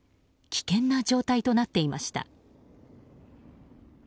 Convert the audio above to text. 危険な状態となっていました。